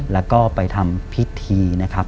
แล้วก็ไปทำพิธีนะครับ